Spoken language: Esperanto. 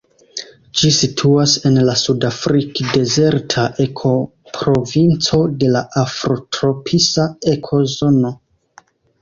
Ĝi situas en la sudafrik-dezerta ekoprovinco de la afrotropisa ekozono.